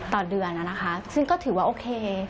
ต่อเดือนนะคะซึ่งก็ถือว่าโอเค